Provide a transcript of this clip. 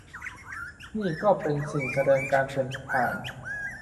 นี่ก็เป็นสิ่งแสดงการเปลี่ยนผ่าน